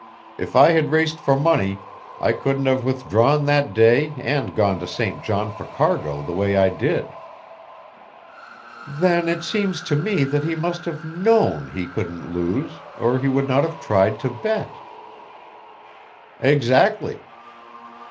If I had raced for money I couldn't have withdrawn that day and gone to St. John for cargo the way I did." "Then it seems to me that he must have known he couldn't lose or he would not have tried to bet." "Exactly."